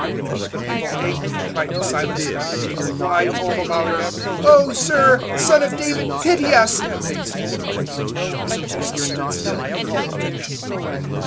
020:031 The people angrily tried to silence them, but they cried all the louder. "O Sir, Son of David, pity us," they said. 020:032 So Jesus stood still and called to them.